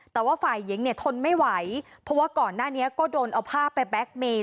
แต่ว่าฝ่ายหญิงเนี่ยทนไม่ไหวเพราะว่าก่อนหน้านี้ก็โดนเอาผ้าไปแก๊กเมย์